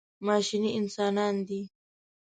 ماشیني انسانان دي.